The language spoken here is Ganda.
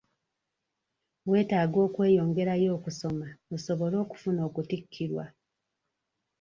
Weetaaga okweyongerayo okusoma osobole okufuna okutikkirwa.